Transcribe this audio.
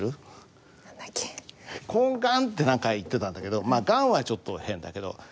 「こんがん」って何か言ってたんだけど「がん」はちょっと変だけど。